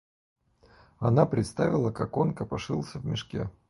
Она представила, как он копошился в мешке.